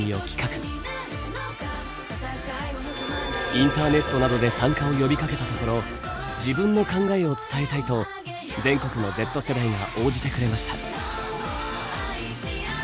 インターネットなどで参加を呼びかけたところ自分の考えを伝えたいと全国のＺ世代が応じてくれました。